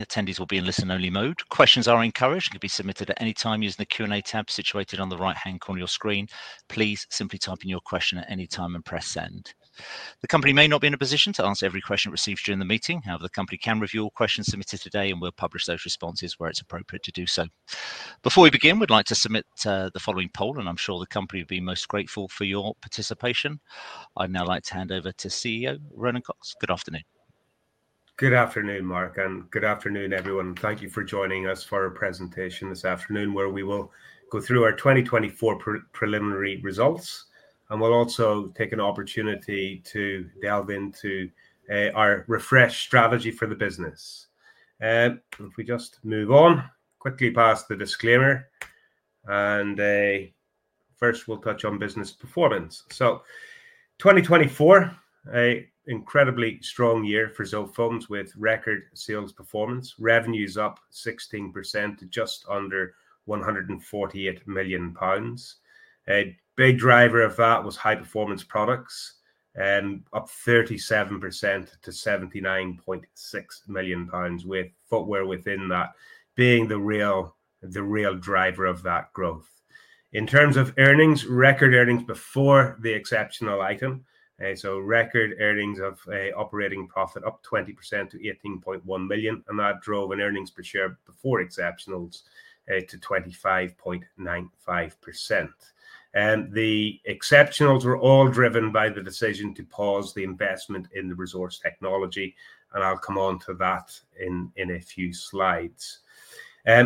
Attendees will be in listen-only mode. Questions are encouraged and can be submitted at any time using the Q&A tab situated on the right-hand corner of your screen. Please simply type in your question at any time and press send. The company may not be in a position to answer every question received during the meeting. However, the company can review all questions submitted today and will publish those responses where it is appropriate to do so. Before we begin, we would like to submit the following poll, and I am sure the company would be most grateful for your participation. I would now like to hand over to CEO Ronan Cox. Good afternoon. Good afternoon, Mark, and good afternoon, everyone. Thank you for joining us for our presentation this afternoon, where we will go through our 2024 Preliminary Results, and we will also take an opportunity to delve into our refreshed strategy for the business. If we just move on quickly past the disclaimer, first we will touch on business performance. 2024, an incredibly strong year for Zotefoams with record sales performance, revenues up 16% to just under 148 million pounds. A big driver of that was high-performance products, up 37% to 79.6 million pounds, with footwear within that being the real driver of that growth. In terms of earnings, record earnings before the exceptional item, so record earnings of operating profit up 20% to 18.1 million, and that drove an earnings per share before exceptionals to 25.95%. The exceptionals were all driven by the decision to pause the investment in the ReZorce technology, and I'll come on to that in a few slides.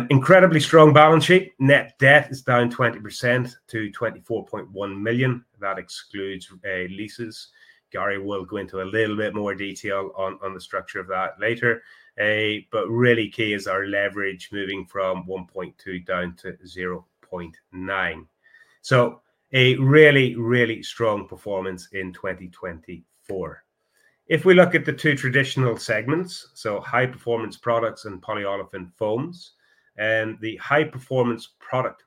Incredibly strong balance sheet. Net debt is down 20% to 24.1 million. That excludes leases. Gary will go into a little bit more detail on the structure of that later, but really key is our leverage moving from 1.2 down to 0.9. A really, really strong performance in 2024. If we look at the two traditional segments, high-performance products and polyolefin foams, the high-performance product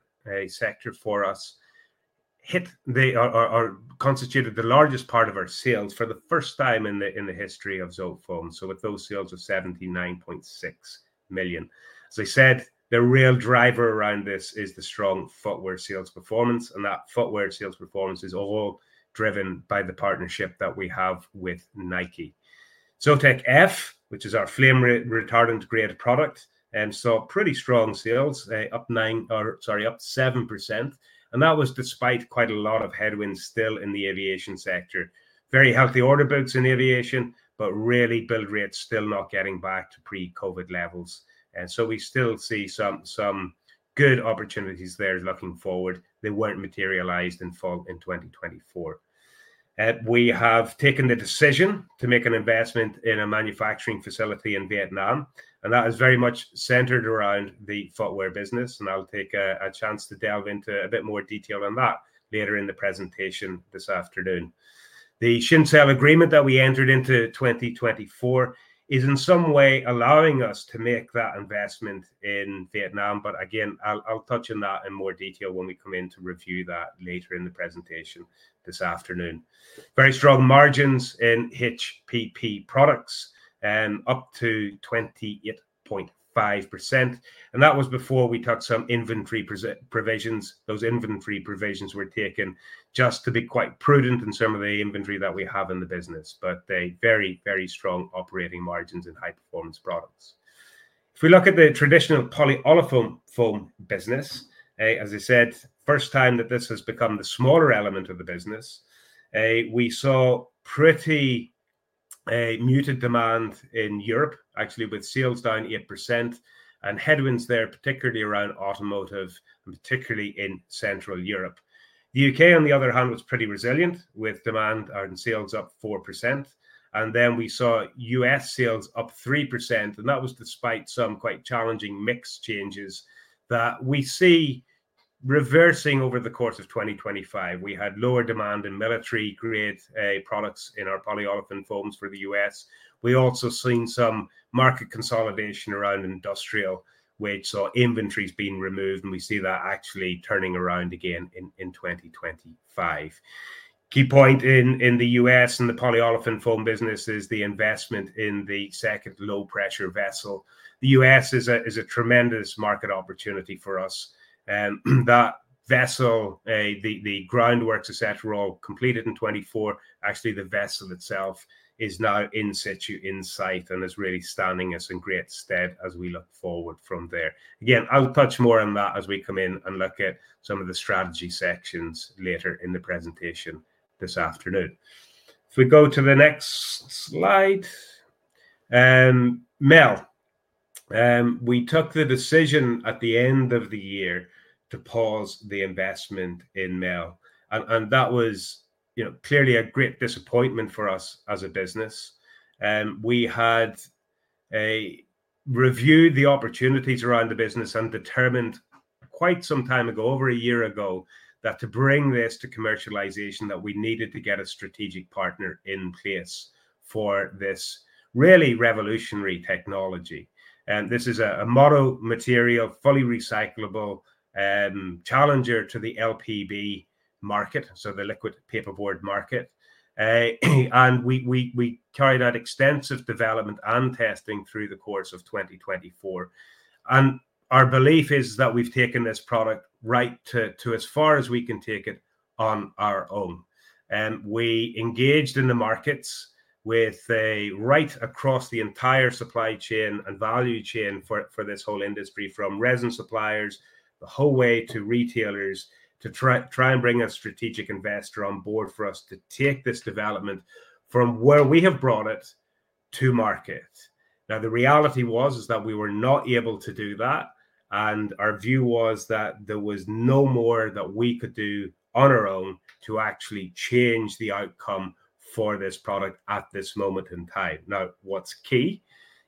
sector for us constituted the largest part of our sales for the first time in the history of Zotefoams, with those sales of 79.6 million. As I said, the real driver around this is the strong footwear sales performance, and that footwear sales performance is all driven by the partnership that we have with Nike. ZOTEK F which is our flame retardant-grade product, saw pretty strong sales, up 9%, sorry, up 7%, and that was despite quite a lot of headwinds still in the aviation sector. Very healthy order books in aviation, but really build rates still not getting back to pre-COVID levels. We still see some good opportunities there looking forward. They were not materialized in 2024. We have taken the decision to make an investment in a manufacturing facility in Vietnam, and that is very much centered around the footwear business, and I'll take a chance to delve into a bit more detail on that later in the presentation this afternoon. The Shincell agreement that we entered into in 2024 is in some way allowing us to make that investment in Vietnam, but again, I'll touch on that in more detail when we come in to review that later in the presentation this afternoon. Very strong margins in HPP products, up to 28.5%, and that was before we took some inventory provisions. Those inventory provisions were taken just to be quite prudent in some of the inventory that we have in the business, but very, very strong operating margins in high-performance products. If we look at the traditional polyolefin foam business, as I said, first time that this has become the smaller element of the business, we saw pretty muted demand in Europe, actually with sales down 8% and headwinds there, particularly around automotive and particularly in Central Europe. The U.K., on the other hand, was pretty resilient with demand and sales up 4%, and then we saw US sales up 3%, and that was despite some quite challenging mix changes that we see reversing over the course of 2025. We had lower demand in military-grade products in our polyolefin foams for the US. We've also seen some market consolidation around industrial, which saw inventories being removed, and we see that actually turning around again in 2025. Key point in the US and the polyolefin foam business is the investment in the second low-pressure vessel. The US is a tremendous market opportunity for us. That vessel, the groundworks etc. were all completed in 2024. Actually, the vessel itself is now in site and is really standing us in great stead as we look forward from there. Again, I'll touch more on that as we come in and look at some of the strategy sections later in the presentation this afternoon. If we go to the next slide, MEL. We took the decision at the end of the year to pause the investment in MEL, and that was clearly a great disappointment for us as a business. We had reviewed the opportunities around the business and determined quite some time ago, over a year ago, that to bring this to commercialization, that we needed to get a strategic partner in place for this really revolutionary technology. This is a mono-material, fully recyclable challenger to the LPB market, so the liquid paperboard market, and we carried out extensive development and testing through the course of 2024. Our belief is that we've taken this product right to as far as we can take it on our own. We engaged in the markets right across the entire supply chain and value chain for this whole industry, from resin suppliers the whole way to retailers, to try and bring a strategic investor on board for us to take this development from where we have brought it to market. Now, the reality was that we were not able to do that, and our view was that there was no more that we could do on our own to actually change the outcome for this product at this moment in time. Now, what's key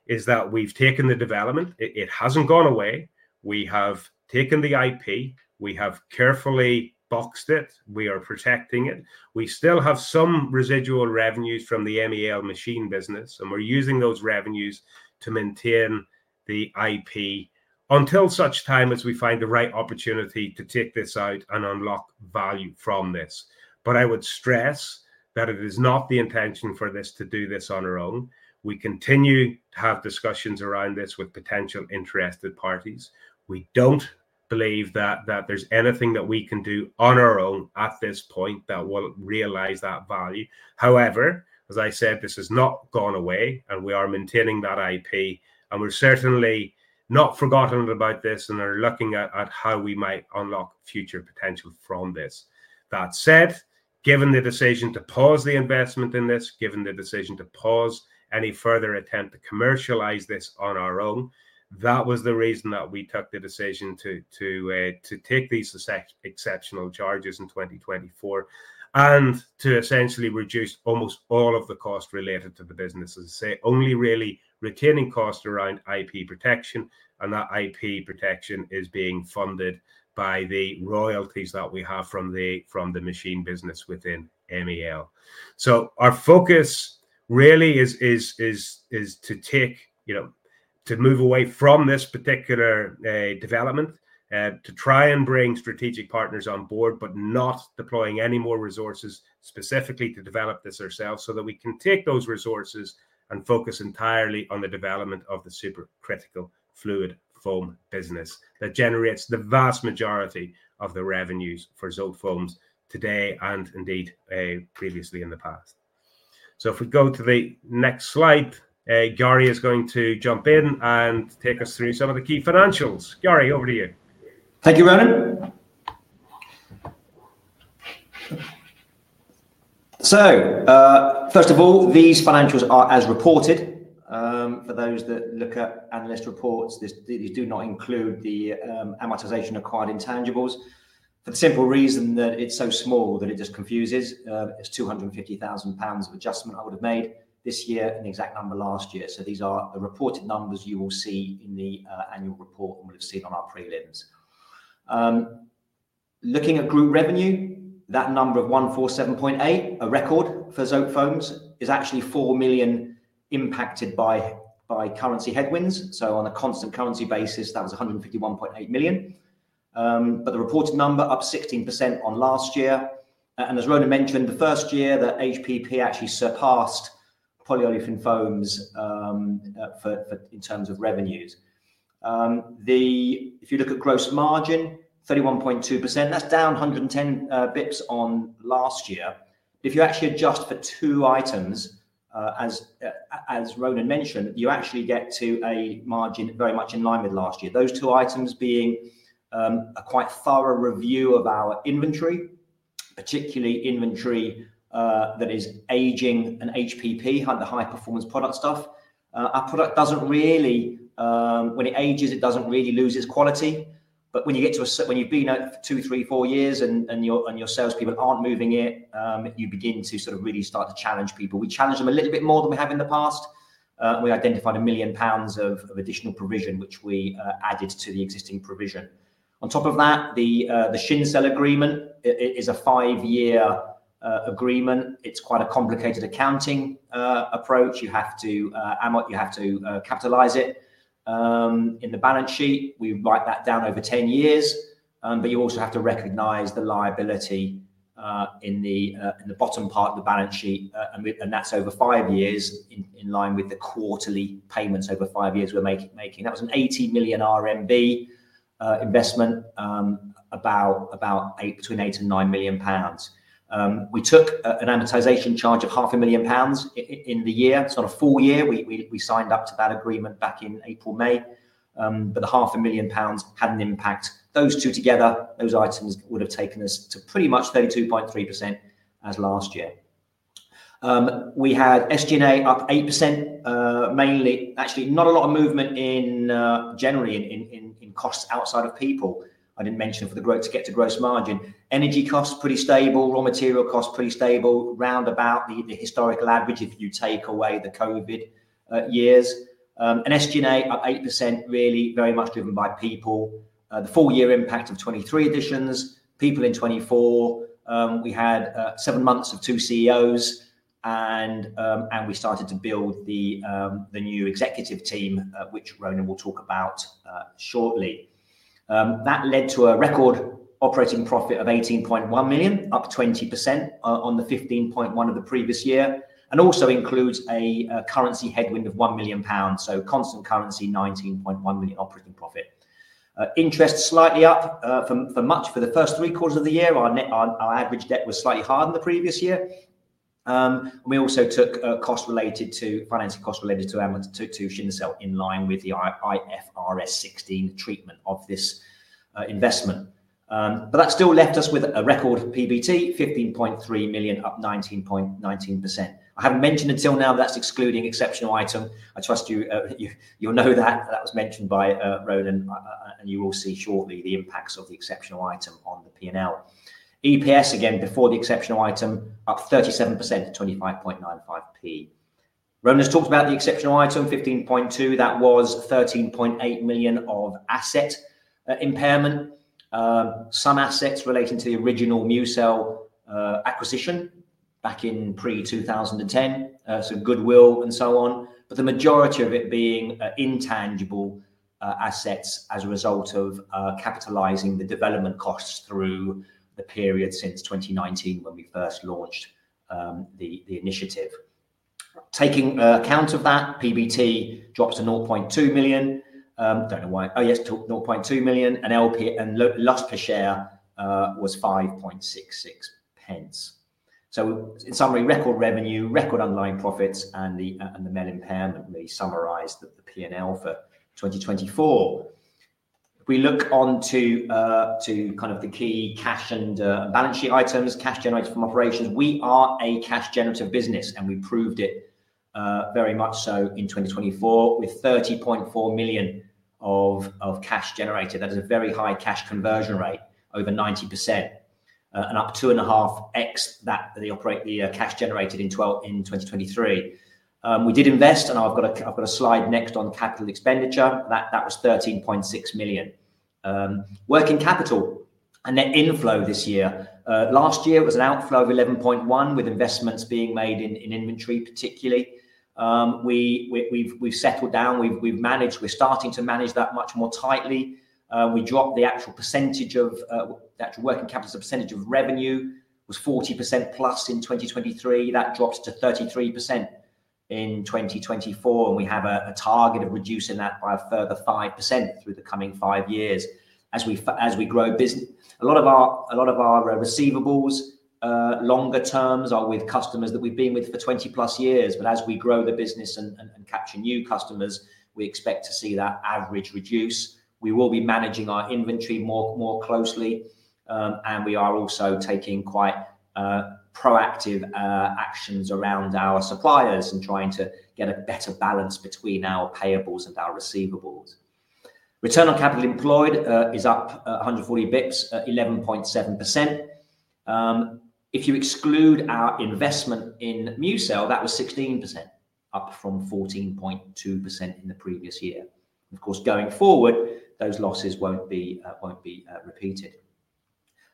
is that we've taken the development. It hasn't gone away. We have taken the IP. We have carefully boxed it. We are protecting it. We still have some residual revenues from the MEL machine business, and we're using those revenues to maintain the IP until such time as we find the right opportunity to take this out and unlock value from this. I would stress that it is not the intention for us to do this on our own. We continue to have discussions around this with potential interested parties. We don't believe that there's anything that we can do on our own at this point that will realize that value. However, as I said, this has not gone away, and we are maintaining that IP, and we're certainly not forgotten about this and are looking at how we might unlock future potential from this. That said, given the decision to pause the investment in this, given the decision to pause any further attempt to commercialize this on our own, that was the reason that we took the decision to take these exceptional charges in 2024 and to essentially reduce almost all of the cost related to the business, only really retaining costs around IP protection, and that IP protection is being funded by the royalties that we have from the machine business within MEL. Our focus really is to move away from this particular development, to try and bring strategic partners on board, but not deploying any more resources specifically to develop this ourselves so that we can take those resources and focus entirely on the development of the supercritical fluid foam business that generates the vast majority of the revenues for Zotefoams today and indeed previously in the past. If we go to the next slide, Gary is going to jump in and take us through some of the key financials. Gary, over to you. Thank you, Ronan. First of all, these financials are as reported. For those that look at analyst reports, these do not include the amortization acquired intangibles for the simple reason that it is so small that it just confuses. It is 250,000 pounds of adjustment I would have made this year and the exact number last year. These are the reported numbers you will see in the annual report and will have seen on our prelims. Looking at group revenue, that number of 147.8 million, a record for Zotefoams, is actually 4 million impacted by currency headwinds. On a constant currency basis, that was 151.8 million. The reported number is up 16% on last year. As Ronan mentioned, the first year, the HPP actually surpassed polyolefin foams in terms of revenues. If you look at gross margin, 31.2%, that is down 110 basis points on last year. If you actually adjust for two items, as Ronan mentioned, you actually get to a margin very much in line with last year. Those two items being a quite thorough review of our inventory, particularly inventory that is aging and HPP, the high-performance product stuff. Our product doesn't really, when it ages, it doesn't really lose its quality. When you get to a, when you've been out for two, three, four years and your salespeople aren't moving it, you begin to sort of really start to challenge people. We challenge them a little bit more than we have in the past. We identified 1 million pounds of additional provision, which we added to the existing provision. On top of that, the Shincell agreement is a five-year agreement. It's quite a complicated accounting approach. You have to capitalize it in the balance sheet. We write that down over 10 years, but you also have to recognize the liability in the bottom part of the balance sheet, and that's over five years in line with the quarterly payments over five years we're making. That was an 80 million RMB investment, about between 8 million and 9 million pounds. We took an amortization charge of 500,000 pounds in the year, sort of full year. We signed up to that agreement back in April, May, but the 500,000 pounds had an impact. Those two together, those items would have taken us to pretty much 32.3% as last year. We had SG&A up 8%, mainly actually not a lot of movement generally in costs outside of people. I didn't mention for the growth to get to gross margin. Energy costs pretty stable. Raw material costs pretty stable, round about the historical average if you take away the COVID years. SG&A up 8%, really very much driven by people. The full year impact of 2023 additions, people in 2024. We had seven months of two CEOs, and we started to build the new executive team, which Ronan will talk about shortly. That led to a record operating profit of 18.1 million, up 20% on the 15.1 million of the previous year, and also includes a currency headwind of 1 million pounds. Constant currency, 19.1 million operating profit. Interest slightly up for much of the first three quarters of the year. Our average debt was slightly higher than the previous year. We also took costs related to financing costs related to Shincell in line with the IFRS 16 treatment of this investment. That still left us with a record PBT, 15.3 million, up 19.19%. I haven't mentioned until now that that's excluding exceptional item. I trust you'll know that that was mentioned by Ronan, and you will see shortly the impacts of the exceptional item on the P&L. EPS, again, before the exceptional item, up 37% to 25.95p. Ronan has talked about the exceptional item, 15.2 million. That was 13.8 million of asset impairment, some assets relating to the original MuCell acquisition back in pre-2010, so goodwill and so on, but the majority of it being intangible assets as a result of capitalizing the development costs through the period since 2019 when we first launched the initiative. Taking account of that, PBT drops to 0.2 million. Don't know why. Oh yes, 0.2 million. And loss per share was 5.66 pence. In summary, record revenue, record underlying profits, and the MEL impairment may summarize the P&L for 2024. If we look onto kind of the key cash and balance sheet items, cash generated from operations, we are a cash-generative business, and we proved it very much so in 2024 with 30.4 million of cash generated. That is a very high cash conversion rate, over 90%, and up two and a half x the operating cash generated in 2023. We did invest, and I've got a slide next on capital expenditure. That was 13.6 million. Working capital and net inflow this year. Last year, it was an outflow of 11.1 million with investments being made in inventory, particularly. We've settled down. We've started to manage that much more tightly. We dropped the actual percentage of actual working capital percentage of revenue was 40% plus in 2023. That drops to 33% in 2024, and we have a target of reducing that by a further 5% through the coming five years as we grow business. A lot of our receivables, longer terms, are with customers that we've been with for 20-plus years, but as we grow the business and capture new customers, we expect to see that average reduce. We will be managing our inventory more closely, and we are also taking quite proactive actions around our suppliers and trying to get a better balance between our payables and our receivables. Return on capital employed is up 140 basis points, 11.7%. If you exclude our investment in MuCell, that was 16%, up from 14.2% in the previous year. Of course, going forward, those losses won't be repeated.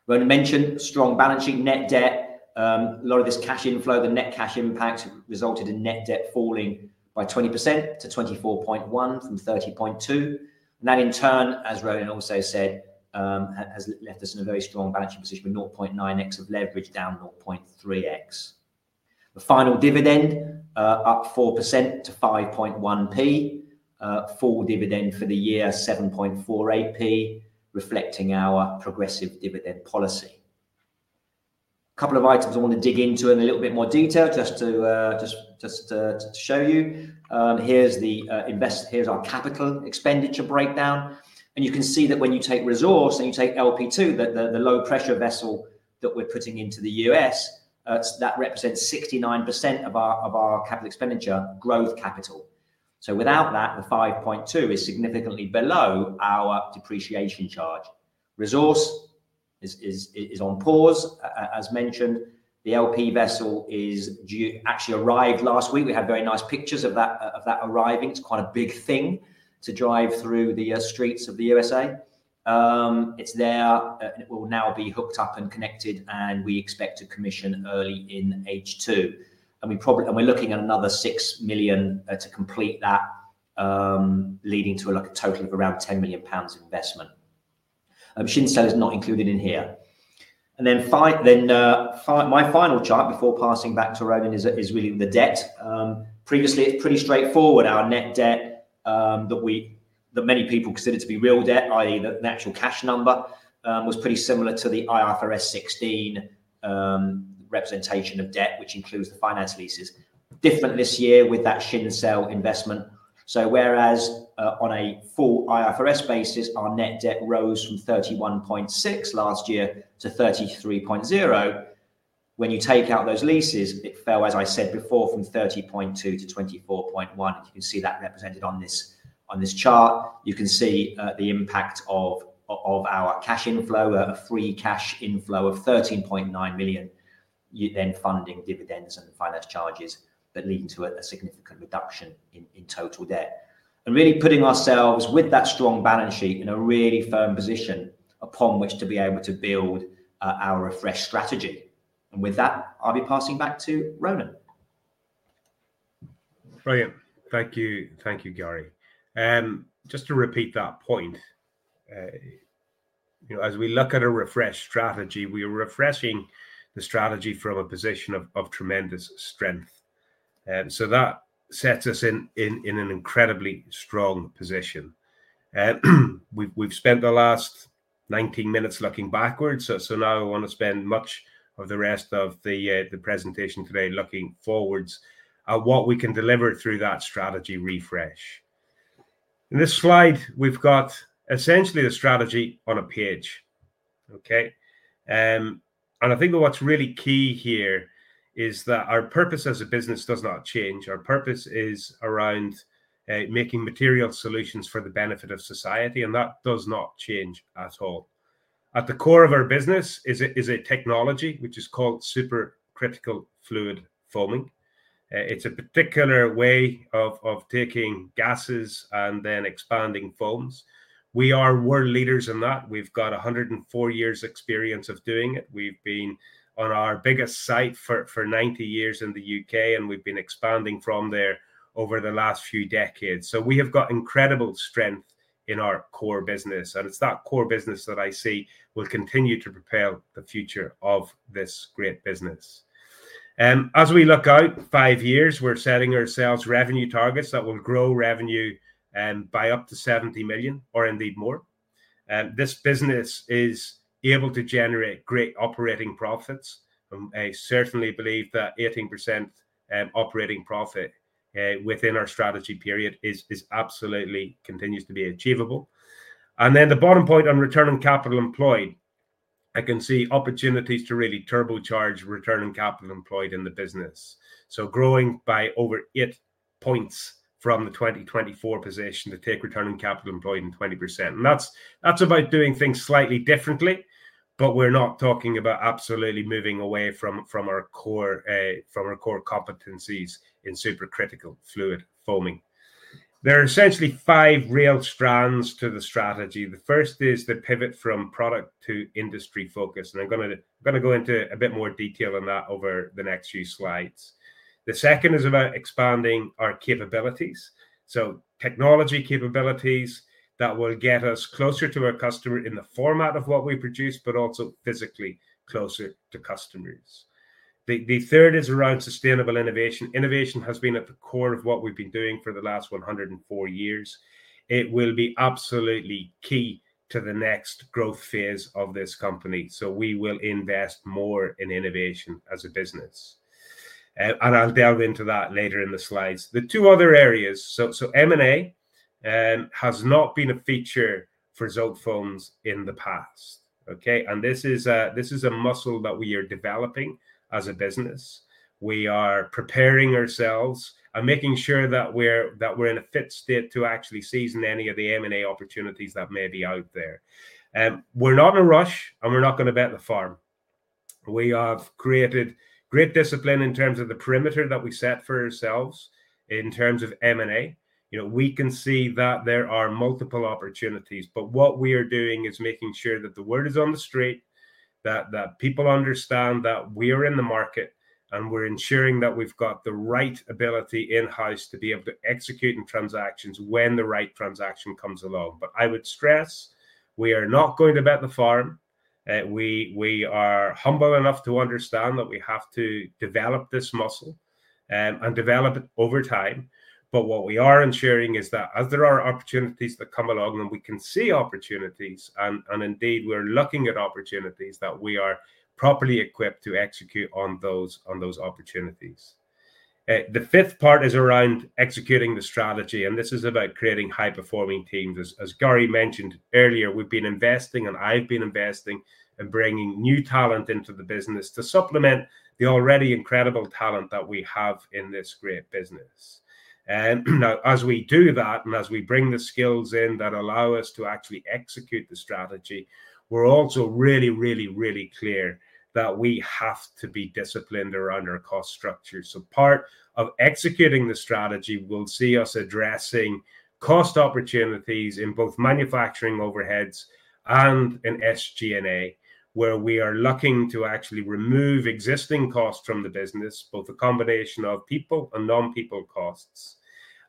Ronan mentioned strong balance sheet, net debt. A lot of this cash inflow, the net cash impact resulted in net debt falling by 20% to 24.1 million from 30.2 million. That, in turn, as Ronan also said, has left us in a very strong balance sheet position with 0.9x of leverage, down 0.3x. The final dividend, up 4% to 5.1p. Full dividend for the year, 7.48p, reflecting our progressive dividend policy. A couple of items I want to dig into in a little bit more detail, just to show you. Here is our capital expenditure breakdown. You can see that when you take Resource and you take LP2, the low-pressure vessel that we are putting into the US, that represents 69% of our capital expenditure, growth capital. Without that, the 5.2 million is significantly below our depreciation charge. ReZorce is on pause, as mentioned. The LP vessel actually arrived last week. We have very nice pictures of that arriving. It's quite a big thing to drive through the streets of the US. It's there, and it will now be hooked up and connected, and we expect to commission early in H2. We are looking at another 6 million to complete that, leading to a total of around 10 million pounds investment. Shincell is not included in here. My final chart before passing back to Ronan is really the debt. Previously, it's pretty straightforward. Our net debt that many people consider to be real debt, i.e., the actual cash number, was pretty similar to the IFRS 16 representation of debt, which includes the finance leases. Different this year with that Shincell investment. Whereas on a full IFRS basis, our net debt rose from 31.6 million last year to 33.0 million, when you take out those leases, it fell, as I said before, from 30.2 million to 24.1 million. You can see that represented on this chart. You can see the impact of our cash inflow, a free cash inflow of 13.9 million, then funding dividends and finance charges that lead to a significant reduction in total debt. Really putting ourselves with that strong balance sheet in a really firm position upon which to be able to build our refresh strategy. With that, I'll be passing back to Ronan. Brilliant. Thank you, Gary. Just to repeat that point, as we look at a refresh strategy, we are refreshing the strategy from a position of tremendous strength. That sets us in an incredibly strong position. We've spent the last 19 minutes looking backwards. I want to spend much of the rest of the presentation today looking forwards at what we can deliver through that strategy refresh. In this slide, we've got essentially the strategy on a page. I think what's really key here is that our purpose as a business does not change. Our purpose is around making material solutions for the benefit of society, and that does not change at all. At the core of our business is a technology, which is called supercritical fluid foaming. It's a particular way of taking gases and then expanding foams. We are world leaders in that. We've got 104 years' experience of doing it. We've been on our biggest site for 90 years in the U.K., and we've been expanding from there over the last few decades. We have got incredible strength in our core business. It's that core business that I see will continue to propel the future of this great business. As we look out five years, we're setting ourselves revenue targets that will grow revenue by up to 70 million or indeed more. This business is able to generate great operating profits. I certainly believe that 18% operating profit within our strategy period continues to be achievable. The bottom point on return on capital employed, I can see opportunities to really turbocharge return on capital employed in the business. Growing by over eight percentage points from the 2024 position to take return on capital employed in 20%. That's about doing things slightly differently, but we're not talking about absolutely moving away from our core competencies in supercritical fluid foaming. There are essentially five real strands to the strategy. The first is the pivot from product to industry focus. I'm going to go into a bit more detail on that over the next few slides. The second is about expanding our capabilities. Technology capabilities that will get us closer to our customer in the format of what we produce, but also physically closer to customers. The third is around sustainable innovation. Innovation has been at the core of what we've been doing for the last 104 years. It will be absolutely key to the next growth phase of this company. We will invest more in innovation as a business. I'll delve into that later in the slides. The two other areas, M&A has not been a feature for Zotefoams in the past. This is a muscle that we are developing as a business. We are preparing ourselves and making sure that we're in a fit state to actually season any of the M&A opportunities that may be out there. We're not in a rush, and we're not going to bet the farm. We have created great discipline in terms of the perimeter that we set for ourselves in terms of M&A. We can see that there are multiple opportunities, but what we are doing is making sure that the word is on the street, that people understand that we are in the market, and we're ensuring that we've got the right ability in-house to be able to execute in transactions when the right transaction comes along. I would stress, we are not going to bet the farm. We are humble enough to understand that we have to develop this muscle and develop it over time. What we are ensuring is that as there are opportunities that come along, and we can see opportunities, and indeed we're looking at opportunities, that we are properly equipped to execute on those opportunities. The 5th part is around executing the strategy, and this is about creating high-performing teams. As Gary mentioned earlier, we've been investing, and I've been investing in bringing new talent into the business to supplement the already incredible talent that we have in this great business. Now, as we do that and as we bring the skills in that allow us to actually execute the strategy, we're also really, really, really clear that we have to be disciplined around our cost structure. Part of executing the strategy will see us addressing cost opportunities in both manufacturing overheads and in SG&A, where we are looking to actually remove existing costs from the business, both a combination of people and non-people costs,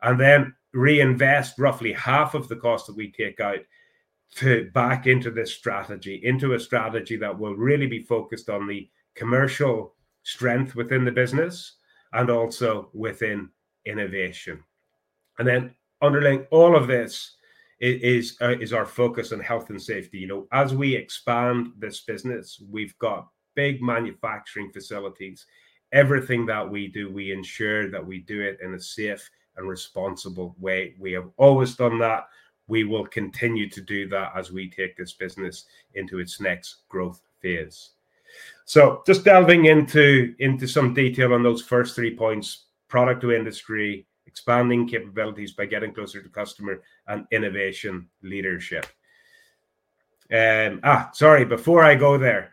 and then reinvest roughly half of the cost that we take out back into this strategy, into a strategy that will really be focused on the commercial strength within the business and also within innovation. Underlying all of this is our focus on health and safety. As we expand this business, we've got big manufacturing facilities. Everything that we do, we ensure that we do it in a safe and responsible way. We have always done that. We will continue to do that as we take this business into its next growth phase. Just delving into some detail on those first three points: product to industry, expanding capabilities by getting closer to customer, and innovation leadership. Sorry, before I go there,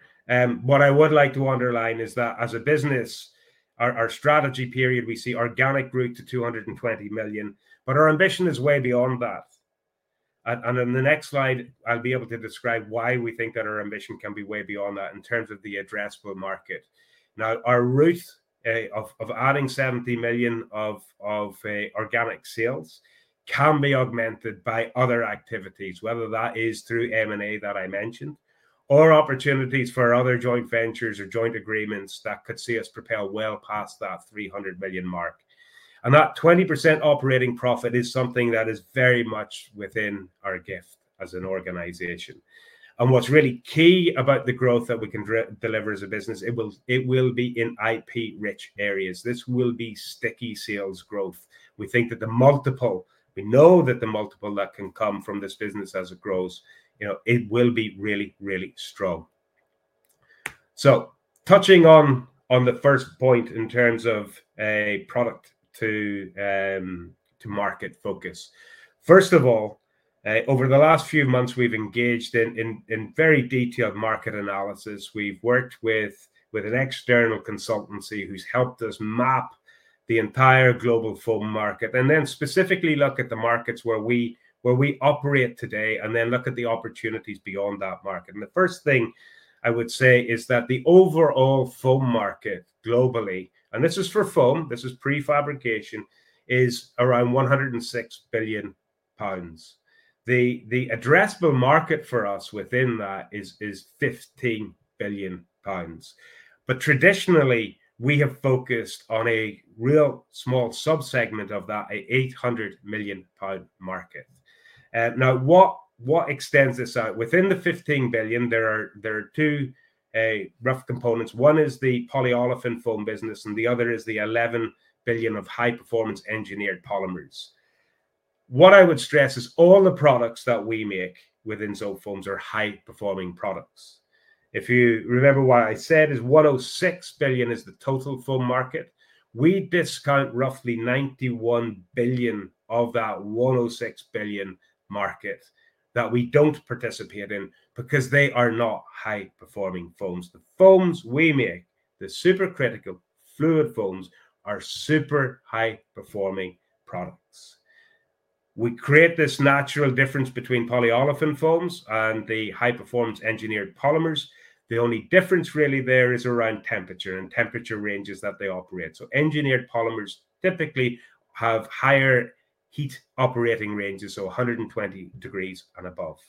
what I would like to underline is that as a business, our strategy period, we see organic growth to 220 million, but our ambition is way beyond that. In the next slide, I'll be able to describe why we think that our ambition can be way beyond that in terms of the addressable market. Now, our route of adding 70 million of organic sales can be augmented by other activities, whether that is through M&A that I mentioned, or opportunities for other joint ventures or joint agreements that could see us propel well past that 300 million mark. That 20% operating profit is something that is very much within our gift as an organization. What's really key about the growth that we can deliver as a business, it will be in IP-rich areas. This will be sticky sales growth. We think that the multiple, we know that the multiple that can come from this business as it grows, it will be really, really strong. Touching on the first point in terms of product to market focus. First of all, over the last few months, we've engaged in very detailed market analysis. We've worked with an external consultancy who's helped us map the entire global foam market, and then specifically look at the markets where we operate today, and then look at the opportunities beyond that market. The first thing I would say is that the overall foam market globally, and this is for foam, this is pre-fabrication, is around 106 billion pounds. The addressable market for us within that is 15 billion pounds. Traditionally, we have focused on a real small subsegment of that, a 800 million pound market. Now, what extends this out? Within the 15 billion, there are two rough components. One is the polyolefin foam business, and the other is the 11 billion of high-performance engineered polymers. What I would stress is all the products that we make within Zotefoams are high-performing products. If you remember what I said, 106 billion is the total foam market. We discount roughly 91 billion of that 106 billion market that we do not participate in because they are not high-performing foams. The foams we make, the supercritical fluid foams, are super high-performing products. We create this natural difference between polyolefin foams and the high-performance engineered polymers. The only difference really there is around temperature and temperature ranges that they operate. Engineered polymers typically have higher heat operating ranges, so 120 degrees and above.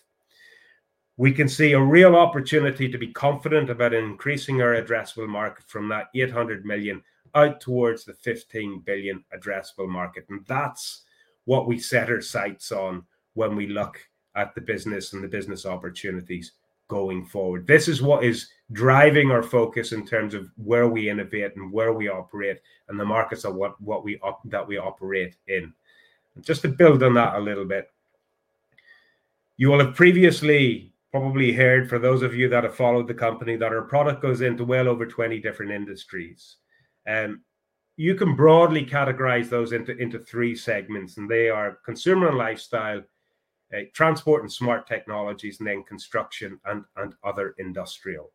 We can see a real opportunity to be confident about increasing our addressable market from that 800 million out towards the 15 billion addressable market. That is what we set our sights on when we look at the business and the business opportunities going forward. This is what is driving our focus in terms of where we innovate and where we operate and the markets that we operate in. Just to build on that a little bit, you will have previously probably heard for those of you that have followed the company that our product goes into well over 20 different industries. You can broadly categorize those into three segments, and they are consumer and lifestyle, transport and smart technologies, and then construction and other industrial.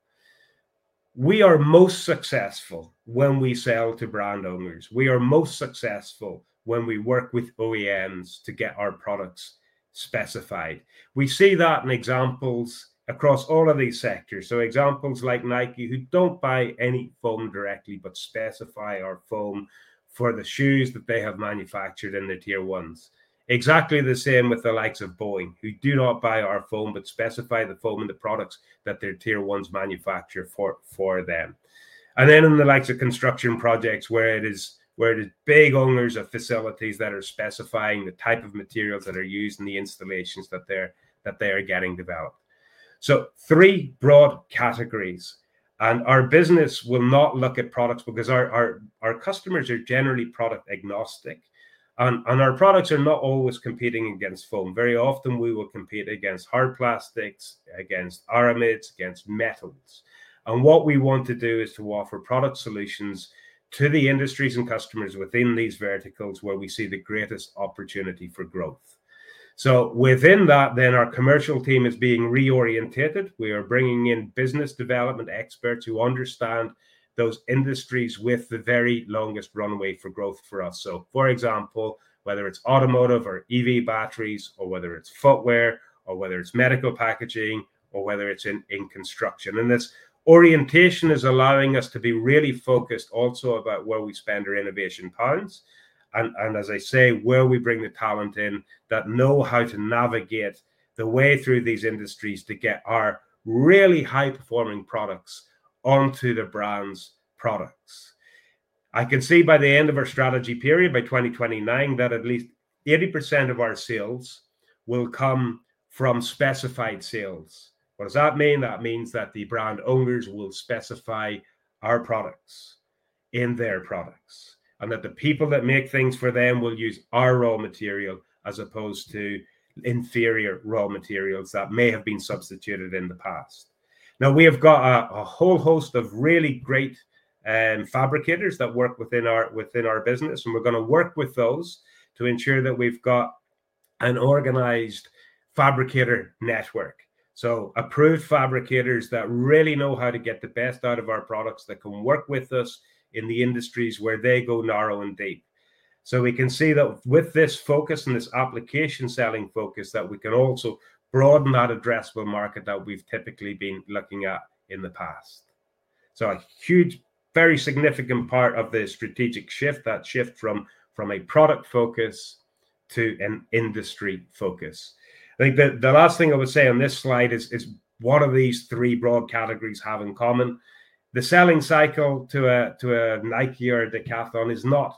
We are most successful when we sell to brand owners. We are most successful when we work with OEMs to get our products specified. We see that in examples across all of these sectors. Examples like Nike, who do not buy any foam directly, but specify our foam for the shoes that they have manufactured in their tier ones. Exactly the same with the likes of Boeing, who do not buy our foam, but specify the foam and the products that their tier ones manufacture for them. In the likes of construction projects where it is big owners of facilities that are specifying the type of materials that are used in the installations that they are getting developed. Three broad categories. Our business will not look at products because our customers are generally product agnostic, and our products are not always competing against foam. Very often, we will compete against hard plastics, against aramids, against metals. What we want to do is to offer product solutions to the industries and customers within these verticals where we see the greatest opportunity for growth. Within that, our commercial team is being reorientated. We are bringing in business development experts who understand those industries with the very longest runway for growth for us. For example, whether it is automotive or EV batteries, or whether it is footwear, or whether it is medical packaging, or whether it is in construction. This orientation is allowing us to be really focused also about where we spend our innovation pounds. As I say, where we bring the talent in that know how to navigate the way through these industries to get our really high-performing products onto the brand's products. I can see by the end of our strategy period, by 2029, that at least 80% of our sales will come from specified sales. What does that mean? That means that the brand owners will specify our products in their products, and that the people that make things for them will use our raw material as opposed to inferior raw materials that may have been substituted in the past. Now, we have got a whole host of really great fabricators that work within our business, and we're going to work with those to ensure that we've got an organized fabricator network. Approved fabricators that really know how to get the best out of our products that can work with us in the industries where they go narrow and deep. We can see that with this focus and this application selling focus that we can also broaden that addressable market that we've typically been looking at in the past. A huge, very significant part of the strategic shift, that shift from a product focus to an industry focus. I think the last thing I would say on this slide is what do these three broad categories have in common? The selling cycle to a Nike or a Decathlon is not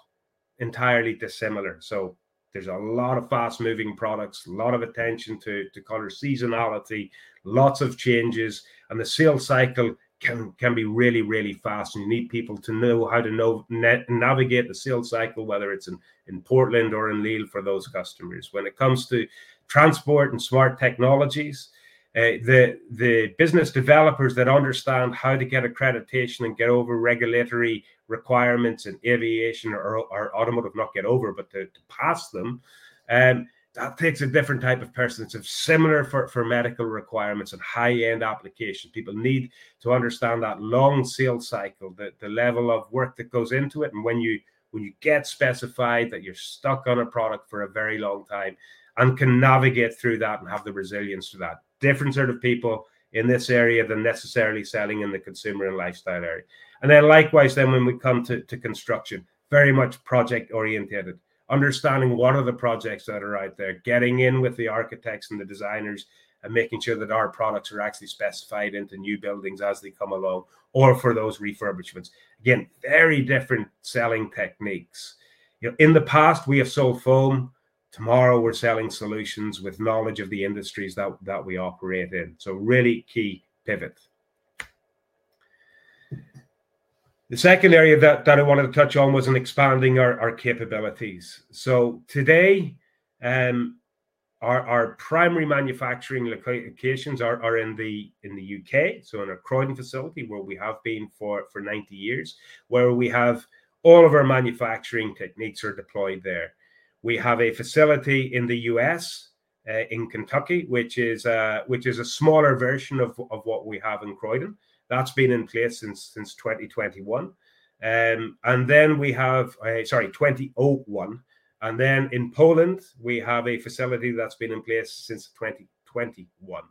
entirely dissimilar. There are a lot of fast-moving products, a lot of attention to color seasonality, lots of changes, and the sale cycle can be really, really fast. You need people to know how to navigate the sale cycle, whether it's in Portland or in Lille for those customers. When it comes to transport and smart technologies, the business developers that understand how to get accreditation and get over regulatory requirements in aviation or automotive, not get over, but to pass them, that takes a different type of person. It's similar for medical requirements and high-end applications. People need to understand that long sale cycle, the level of work that goes into it, and when you get specified that you're stuck on a product for a very long time and can navigate through that and have the resilience to that. Different sort of people in this area than necessarily selling in the consumer and lifestyle area. Likewise, when we come to construction, very much project-oriented, understanding what are the projects that are out there, getting in with the architects and the designers and making sure that our products are actually specified into new buildings as they come along, or for those refurbishments. Again, very different selling techniques. In the past, we have sold foam. Tomorrow, we're selling solutions with knowledge of the industries that we operate in. Really key pivot. The second area that I wanted to touch on was in expanding our capabilities. Today, our primary manufacturing locations are in the U.K., in our Croydon facility where we have been for 90 years, where all of our manufacturing techniques are deployed there. We have a facility in the U.S., in Kentucky, which is a smaller version of what we have in Croydon. That's been in place since 2021. We have, sorry, 2001. In Poland, we have a facility that's been in place since 2021.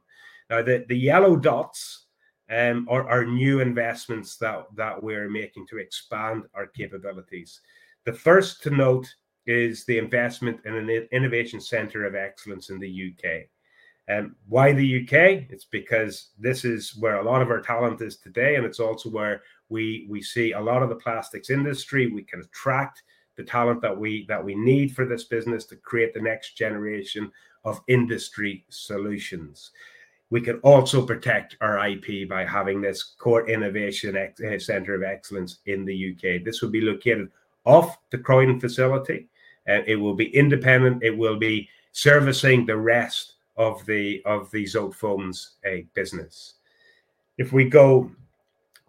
The yellow dots are new investments that we're making to expand our capabilities. The first to note is the investment in an innovation center of excellence in the U.K. Why the U.K.? It's because this is where a lot of our talent is today, and it's also where we see a lot of the plastics industry. We can attract the talent that we need for this business to create the next generation of industry solutions. We can also protect our IP by having this core innovation center of excellence in the U.K. This will be located off the Croydon facility. It will be independent. It will be servicing the rest of the Zotefoams business. If we go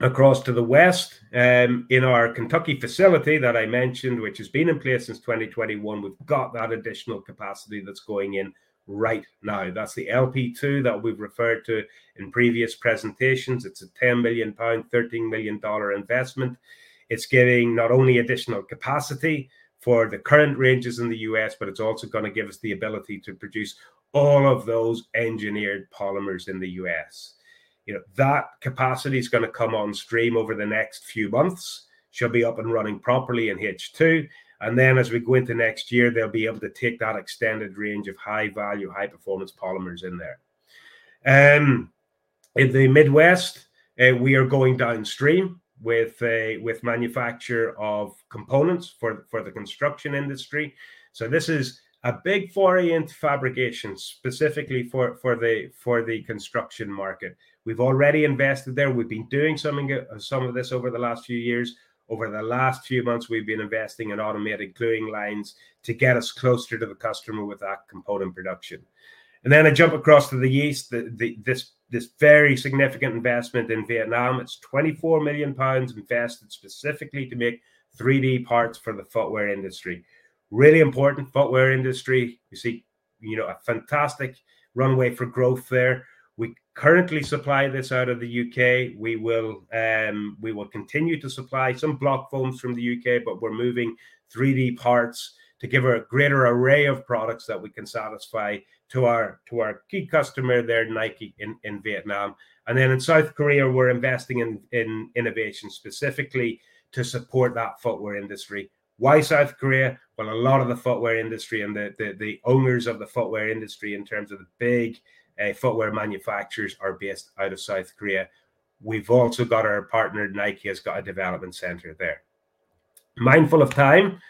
across to the west, in our Kentucky facility that I mentioned, which has been in place since 2021, we've got that additional capacity that's going in right now. That's the LP2 that we've referred to in previous presentations. It's a 10 million pound, $13 million investment. It's giving not only additional capacity for the current ranges in the US, but it's also going to give us the ability to produce all of those engineered polymers in the US. That capacity is going to come on stream over the next few months. It should be up and running properly in H2. As we go into next year, they'll be able to take that extended range of high-value, high-performance polymers in there. In the Midwest, we are going downstream with manufacture of components for the construction industry. This is a big foray into fabrication specifically for the construction market. We've already invested there. We've been doing some of this over the last few years. Over the last few months, we've been investing in automated gluing lines to get us closer to the customer with that component production. I jump across to the east, this very significant investment in Vietnam. It is 24 million pounds invested specifically to make 3D parts for the footwear industry. Really important footwear industry. We see a fantastic runway for growth there. We currently supply this out of the U.K. We will continue to supply some block foams from the U.K., but we're moving 3D parts to give a greater array of products that we can satisfy to our key customer there, Nike in Vietnam. In South Korea, we're investing in innovation specifically to support that footwear industry. Why South Korea? A lot of the footwear industry and the owners of the footwear industry in terms of the big footwear manufacturers are based out of South Korea. We've also got our partner, Nike has got a development center there. Mindful of time.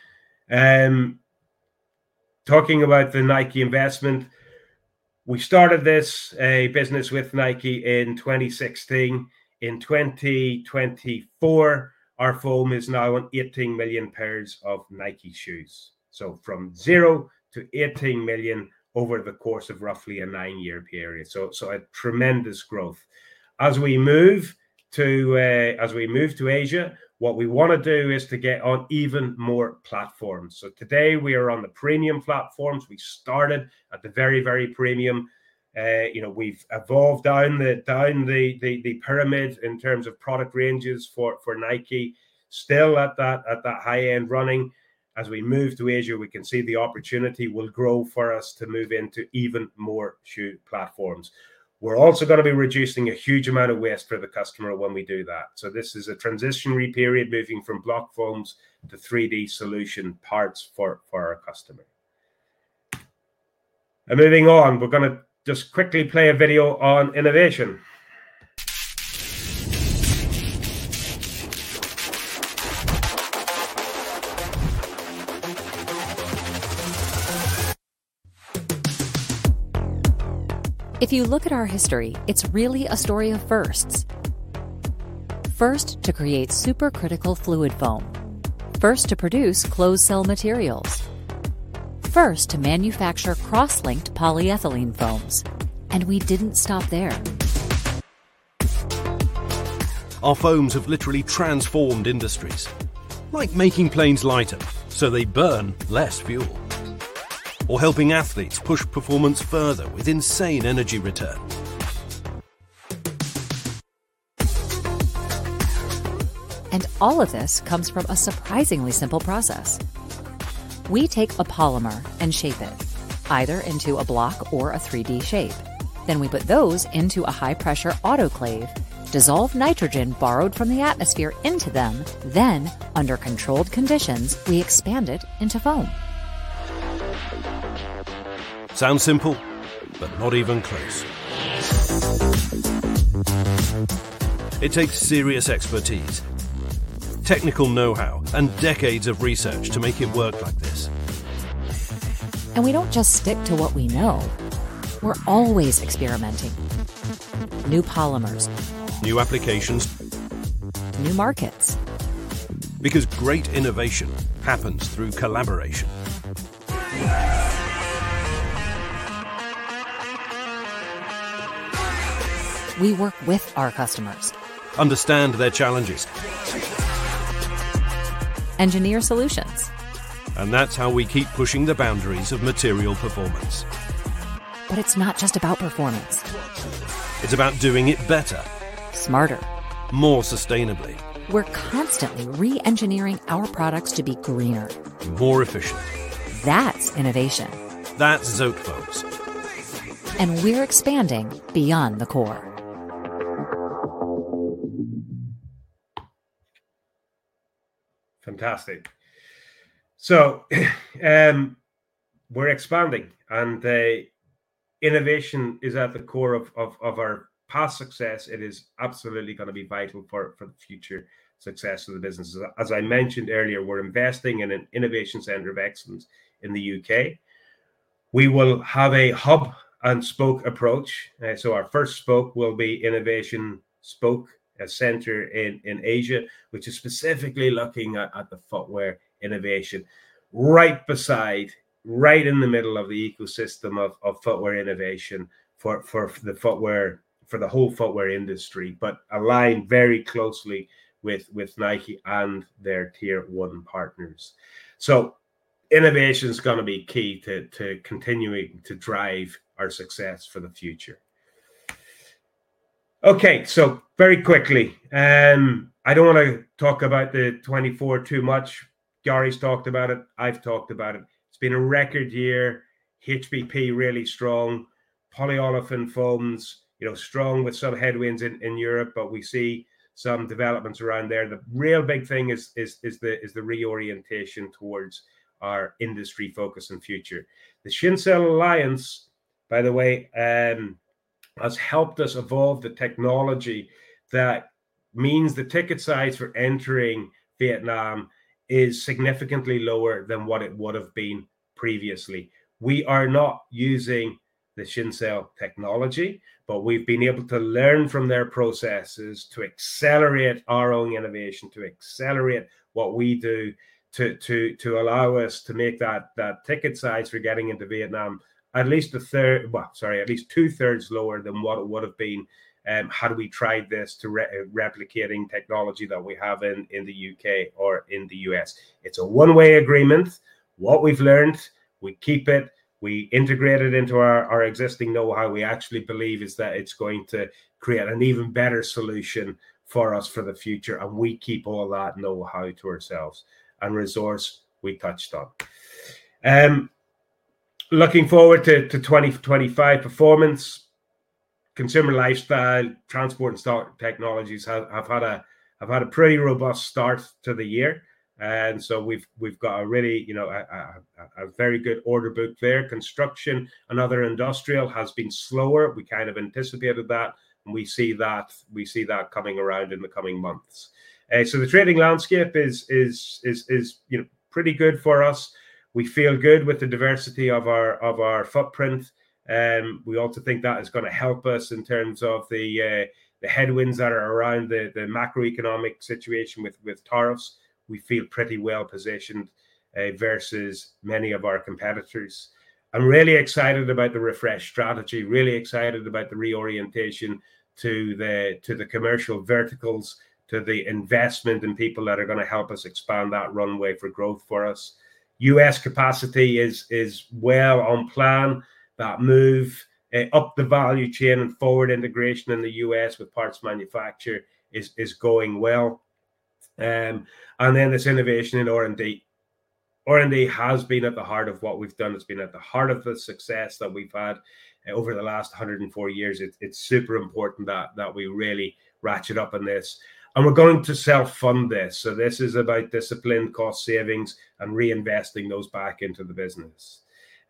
Talking about the Nike investment, we started this business with Nike in 2016. In 2024, our foam is now on 18 million pairs of Nike shoes. From zero to 18 million over the course of roughly a nine-year period. A tremendous growth. As we move to Asia, what we want to do is to get on even more platforms. Today, we are on the premium platforms. We started at the very, very premium. We've evolved down the pyramid in terms of product ranges for Nike. Still at that high-end running. As we move to Asia, we can see the opportunity will grow for us to move into even more shoe platforms. We are also going to be reducing a huge amount of waste for the customer when we do that. This is a transitionary period moving from block foams to 3D solution parts for our customer. Moving on, we are going to just quickly play a video on innovation. If you look at our history, it is really a story of firsts. First to create supercritical fluid foam. First to produce closed-cell materials. First to manufacture cross-linked polyethylene foams. We did not stop there. Our foams have literally transformed industries, like making planes lighter so they burn less fuel. Or helping athletes push performance further with insane energy returns. All of this comes from a surprisingly simple process. We take a polymer and shape it, either into a block or a 3D shape. We put those into a high-pressure autoclave, dissolve nitrogen borrowed from the atmosphere into them, then under controlled conditions, we expand it into foam. Sounds simple, but not even close. It takes serious expertise, technical know-how, and decades of research to make it work like this. We do not just stick to what we know. We are always experimenting. New polymers. New applications. New markets. Great innovation happens through collaboration. We work with our customers. Understand their challenges. Engineer solutions. That is how we keep pushing the boundaries of material performance. It is not just about performance. It is about doing it better. Smarter. More sustainably. We are constantly re-engineering our products to be greener. More efficient. That is innovation. That is Zotefoams. We are expanding beyond the core. Fantastic. We're expanding, and innovation is at the core of our past success. It is absolutely going to be vital for the future success of the businesses. As I mentioned earlier, we're investing in an innovation center of excellence in the U.K. We will have a hub-and-spoke approach. Our first spoke will be an innovation spoke center in Asia, which is specifically looking at the footwear innovation, right beside, right in the middle of the ecosystem of footwear innovation for the whole footwear industry, but aligned very closely with Nike and their tier-one partners. Innovation is going to be key to continuing to drive our success for the future. Okay, very quickly, I don't want to talk about 2024 too much. Gary's talked about it. I've talked about it. It's been a record year. HPP really strong. Polyolefin foams, strong with some headwinds in Europe, but we see some developments around there. The real big thing is the reorientation towards our industry focus and future. The Shincell Alliance, by the way, has helped us evolve the technology that means the ticket size for entering Vietnam is significantly lower than what it would have been previously. We are not using the Shincell technology, but we've been able to learn from their processes to accelerate our own innovation, to accelerate what we do to allow us to make that ticket size we're getting into Vietnam at least a third, sorry, at least two-thirds lower than what it would have been had we tried this to replicating technology that we have in the U.K. or in the US. It's a one-way agreement. What we've learned, we keep it. We integrate it into our existing know-how. We actually believe that it's going to create an even better solution for us for the future. We keep all that know-how to ourselves and resource we touched on. Looking forward to 2025 performance, consumer lifestyle, transport, and stock technologies have had a pretty robust start to the year. We have a really very good order book there. Construction, another industrial, has been slower. We kind of anticipated that. We see that coming around in the coming months. The trading landscape is pretty good for us. We feel good with the diversity of our footprint. We also think that is going to help us in terms of the headwinds that are around the macroeconomic situation with tariffs. We feel pretty well positioned versus many of our competitors. I'm really excited about the refresh strategy, really excited about the reorientation to the commercial verticals, to the investment in people that are going to help us expand that runway for growth for us. U.S. capacity is well on plan. That move up the value chain and forward integration in the U.S. with parts manufacture is going well. This innovation in R&D. R&D has been at the heart of what we've done. It's been at the heart of the success that we've had over the last 104 years. It's super important that we really ratchet up on this. We're going to self-fund this. This is about discipline, cost savings, and reinvesting those back into the business.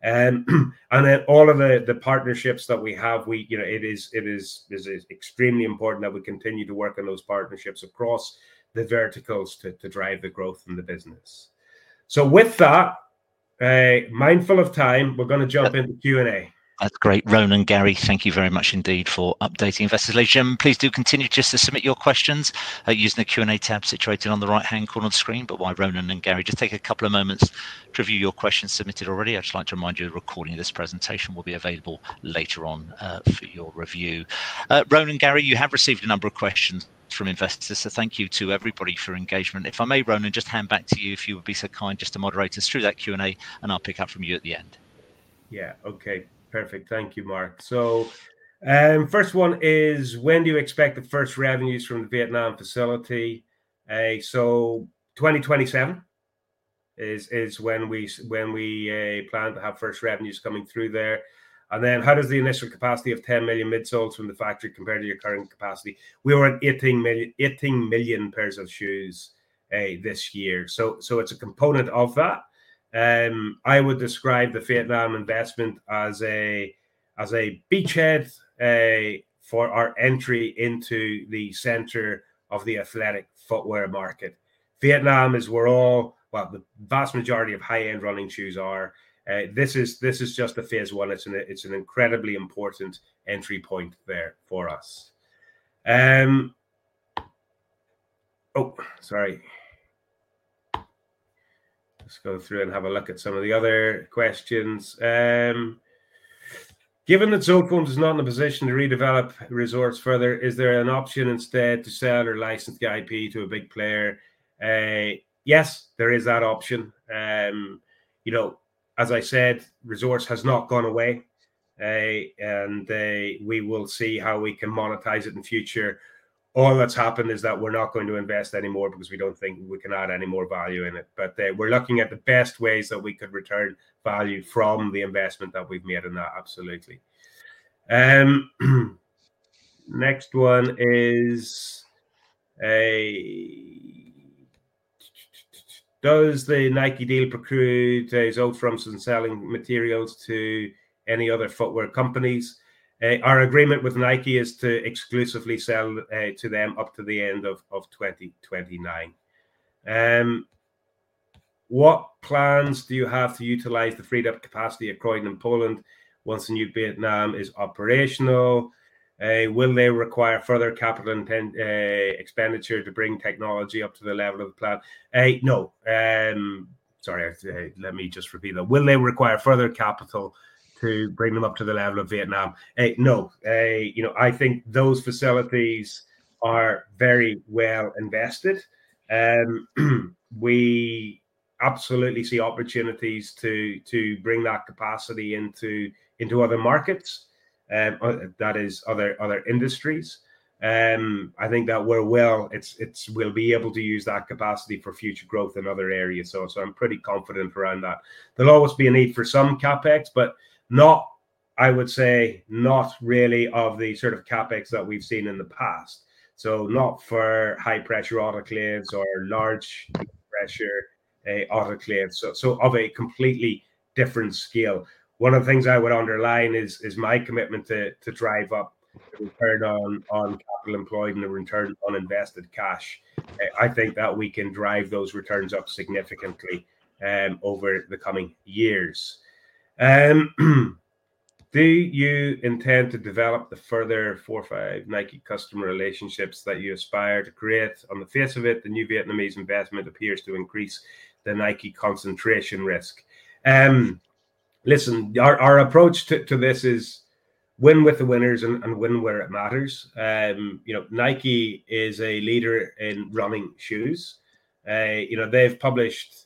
All of the partnerships that we have, it is extremely important that we continue to work on those partnerships across the verticals to drive the growth in the business. With that, mindful of time, we are going to jump into Q&A. That's great. Ronan and Gary, thank you very much indeed for updating investors. Please do continue just to submit your questions using the Q&A tab situated on the right-hand corner of the screen. While Ronan and Gary just take a couple of moments to review your questions submitted already, I just like to remind you the recording of this presentation will be available later on for your review. Ronan and Gary, you have received a number of questions from investors. Thank you to everybody for engagement. If I may, Ronan, just hand back to you if you would be so kind just to moderate us through that Q&A, and I'll pick up from you at the end. Yeah, okay. Perfect. Thank you, Mark. The first one is, when do you expect the first revenues from the Vietnam facility? 2027 is when we plan to have first revenues coming through there. How does the initial capacity of 10 million midsole from the factory compare to your current capacity? We were at 18 million pairs of shoes this year. It is a component of that. I would describe the Vietnam investment as a beachhead for our entry into the center of the athletic footwear market. Vietnam is where all, well, the vast majority of high-end running shoes are. This is just the phase one. It is an incredibly important entry point there for us. Oh, sorry. Let's go through and have a look at some of the other questions. Given that Zotefoams is not in a position to redevelop resorts further, is there an option instead to sell or license the IP to a big player? Yes, there is that option. As I said, resource has not gone away. We will see how we can monetize it in the future. All that's happened is that we're not going to invest anymore because we don't think we can add any more value in it. We are looking at the best ways that we could return value from the investment that we've made in that, absolutely. Next one is, does the Nike deal preclude Zotefoams from selling materials to any other footwear companies? Our agreement with Nike is to exclusively sell to them up to the end of 2029. What plans do you have to utilize the freed-up capacity at Croydon and Poland once the new Vietnam facility is operational? Will they require further capital expenditure to bring technology up to the level of the plant? No. Sorry, let me just repeat that. Will they require further capital to bring them up to the level of Vietnam? No. I think those facilities are very well invested. We absolutely see opportunities to bring that capacity into other markets, that is, other industries. I think that we'll be able to use that capacity for future growth in other areas. I'm pretty confident around that. There'll always be a need for some CapEx, but I would say not really of the sort of CapEx that we've seen in the past. Not for high-pressure autoclaves or large-pressure autoclaves. Of a completely different scale. One of the things I would underline is my commitment to drive up the return on capital employed and the return on invested cash. I think that we can drive those returns up significantly over the coming years. Do you intend to develop the further four or five Nike customer relationships that you aspire to create? On the face of it, the new Vietnamese investment appears to increase the Nike concentration risk. Listen, our approach to this is win with the winners and win where it matters. Nike is a leader in running shoes. They've published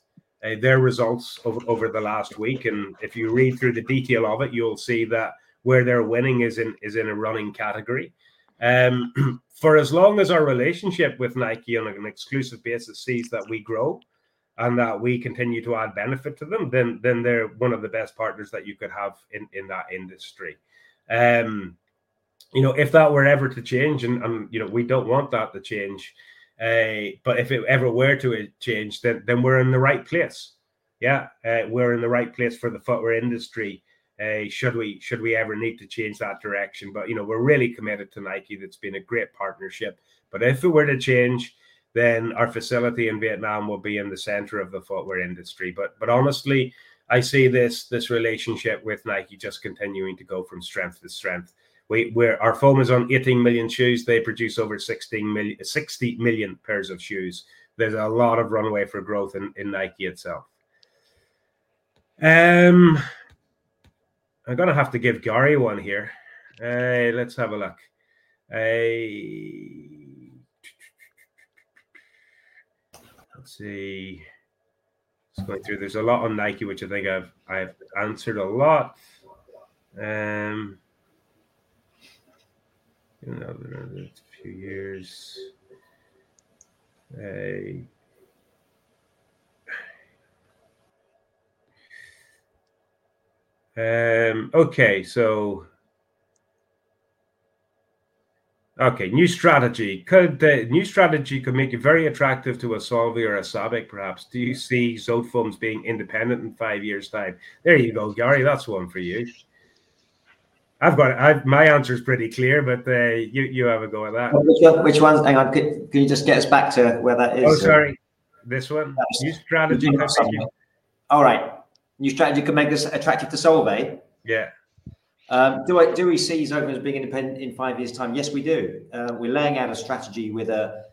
their results over the last week. If you read through the detail of it, you'll see that where they're winning is in a running category. For as long as our relationship with Nike on an exclusive basis sees that we grow and that we continue to add benefit to them, then they're one of the best partners that you could have in that industry. If that were ever to change, and we don't want that to change, if it ever were to change, then we're in the right place. Yeah, we're in the right place for the footwear industry should we ever need to change that direction. We're really committed to Nike. That's been a great partnership. If it were to change, our facility in Vietnam will be in the center of the footwear industry. Honestly, I see this relationship with Nike just continuing to go from strength to strength. Our foam is on 18 million shoes. They produce over 60 million pairs of shoes. There's a lot of runway for growth in Nike itself. I'm going to have to give Gary one here. Let's have a look. Let's see. Let's go through. There's a lot on Nike, which I think I've answered a lot. A few years. Okay. Okay, new strategy. New strategy could make it very attractive to a Solvay or a SABIC, perhaps. Do you see Zotefoams being independent in five years' time? There you go, Gary. That's one for you. My answer is pretty clear, but you have a go at that. Which one? Hang on. Can you just get us back to where that is? Oh, sorry. This one? New strategy could make this. All right. New strategy could make this attractive to Solvay. Yeah. Do we see Zotefoams being independent in five years' time? Yes, we do. We're laying out a strategy with a